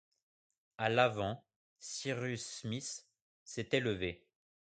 À l’avant, Cyrus Smith s’était levé.